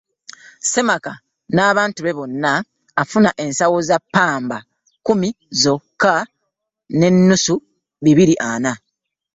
Semaka n'abantu be bonna afuna ensawo za Pamba kkumi zokka ze nnusu bibiri ana.